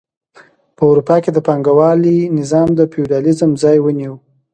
په اروپا کې د پانګوالۍ نظام د فیوډالیزم ځای ونیو.